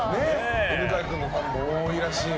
犬飼君のファンも多いらしいよ。